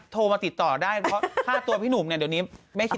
โทรมาติดต่อได้เพราะค่าตัวพี่หนุ่มเนี่ยเดี๋ยวนี้ไม่คิด